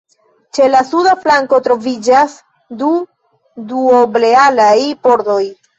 Ĉe la suda flanko troviĝas du duoblealaj pordoj.